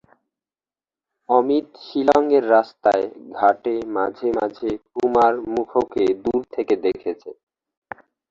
অমিত শিলঙের রাস্তায়-ঘাটে মাঝে মাঝে কুমার মুখোকে দূর থেকে দেখেছে।